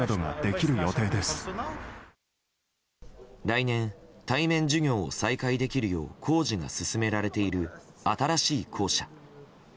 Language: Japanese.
来年、対面授業を再開できるよう工事が進められている新しい校舎。